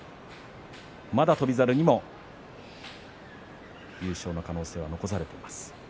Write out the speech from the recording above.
まだ翔猿にも優勝の可能性は残されています。